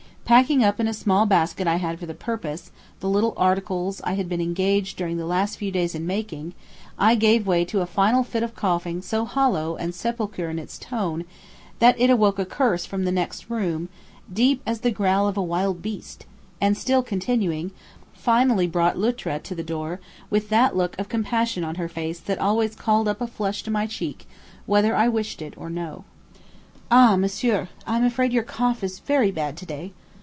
Packing up in a small basket I had for the purpose, the little articles I had been engaged during the last few days in making, I gave way to a final fit of coughing so hollow and sepulchral in its tone, that it awoke a curse from the next room deep as the growl of a wild beast, and still continuing, finally brought Luttra to the door with that look of compassion on her face that always called up a flush to my cheek whether I wished it or no. "Ah, Monsieur, I am afraid your cough is very bad to day.